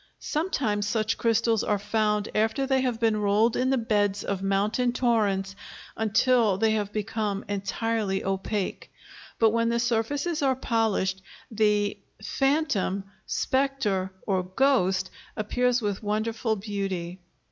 Sometimes such crystals are found after they have been rolled in the beds of mountain torrents until they have become entirely opaque, but when the surfaces are polished, the "phantom," "spectre," or "ghost," appears with wonderful beauty.